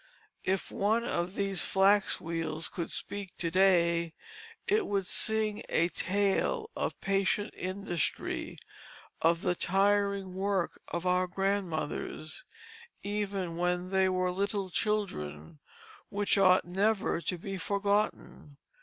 If one of these flax wheels could speak to day, it would sing a tale of the patient industry, of the tiring work of our grandmothers, even when they were little children, which ought never to be forgotten.